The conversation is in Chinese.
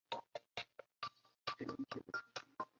蒂朗蓬泰雅克。